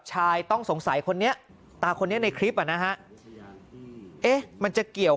ชายต้องสงสัยคนนี้ตาคนนี้ในคลิปอ่ะนะฮะเอ๊ะมันจะเกี่ยว